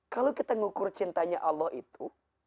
kalau kita ngukur cintanya allah itu